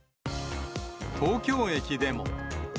東京駅でも。